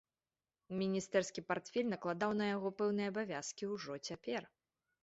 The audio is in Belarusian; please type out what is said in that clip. Міністэрскі партфель накладаў на яго пэўныя абавязкі ўжо цяпер.